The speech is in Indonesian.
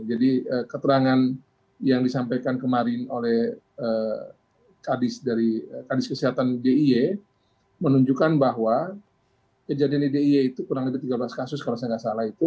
jadi keterangan yang disampaikan kemarin oleh kadis kesehatan dia menunjukkan bahwa kejadian di dia itu kurang lebih tiga belas kasus kalau saya tidak salah itu